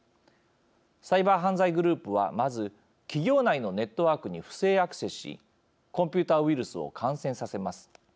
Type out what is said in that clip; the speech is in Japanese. サイバー犯罪グループはまず、企業内のネットワークに不正アクセスしコンピューターウイルスを感染させます。